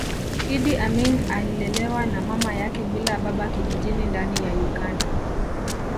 Iddi Amin alilelewa na mama yake bila baba kijijini ndani ya Uganda